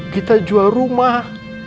kita jual rumah